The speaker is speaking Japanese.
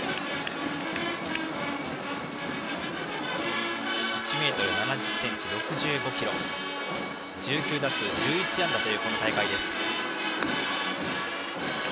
栗山は１ｍ７０ｃｍ、６５ｋｇ。１９打数１１安打というこの大会です。